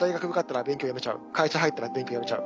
会社入ったら勉強やめちゃう。